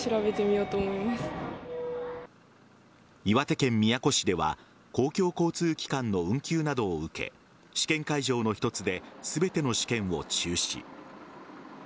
岩手県宮古市では公共交通機関の運休などを受け試験会場の１つで全ての試験を中止。